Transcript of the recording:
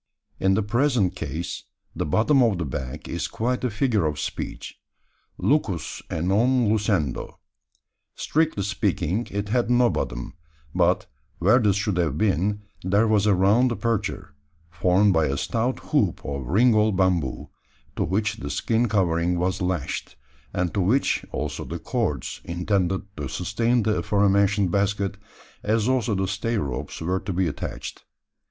In the present case, the "bottom of the bag" is quite a figure of speech lucus a non lucendo. Strictly speaking, it had no bottom; but, where this should have been, there was a round aperture, formed by a stout hoop of ringall bamboo, to which the skin covering was lashed, and to which, also, the cords intended to sustain the afore mentioned basket, as also the stay ropes, were to be attached.